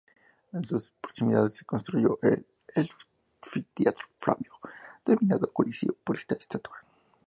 En sus proximidades se construyó el anfiteatro Flavio, denominado "Coliseo" por esta estatua.